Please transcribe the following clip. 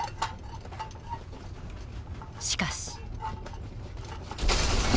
しかし。